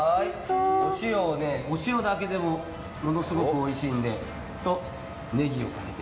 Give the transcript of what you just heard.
お塩だけでもものすごくおいしいので、あとねぎをかけて。